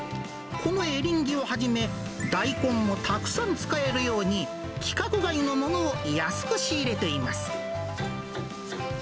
このエリンギをはじめ、大根もたくさん使えるように規格外のものを安く仕入れています。